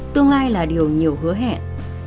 tương lai là điều nhiều hứa hẹn